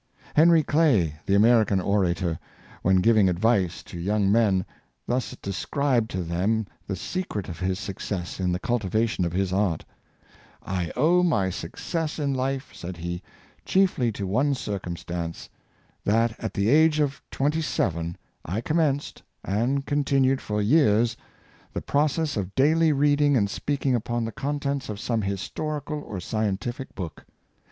Henry Clay, the American orator, when giving advice to young men, thus described to them the secret of his success in the cultivation of his art: " I owe my suc cess in life," said he, "chiefly to one circumstance — that at the age of twenty seven I commenced, and continued for years, the process of daily reading and speaking upon the contents of some historical or scientific book.